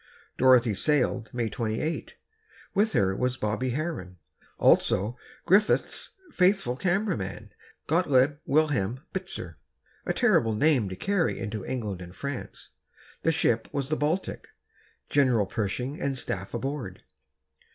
Dorothy sailed May 28. With her was Bobby Harron; also, Griffith's faithful camera man, Gottlieb Wilhelm Bitzer, a terrible name to carry into England and France. The ship was the Baltic—General Pershing and staff aboard.